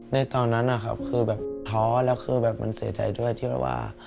ในตอนนั้นนะครับคือแบบท้อแล้วคือแบบมันเสียใจด้วยที่แบบว่า